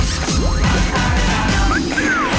สธิฆราช